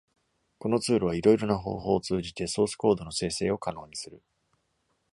このツールは、いろいろな方法を通じて、ソースコードの生成を可能にする。